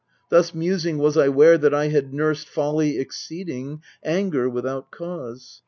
Thus musing, was I 'ware that I had nursed Folly exceeding, anger without cause.